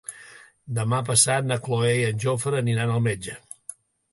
Demà passat na Cloè i en Jofre aniran al metge.